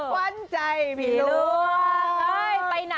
วั้นใจผิดล้วน